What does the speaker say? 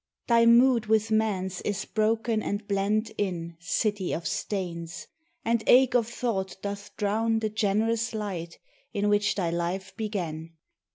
Thy mood with man's is broken and blent in, City of Stains! and ache of thought doth drown The generous light in which thy life began.